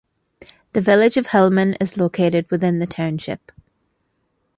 The village of Hillman is located within the township.